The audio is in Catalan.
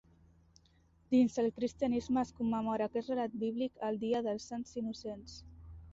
Dins el cristianisme es commemora aquest relat bíblic al dia dels sants innocents.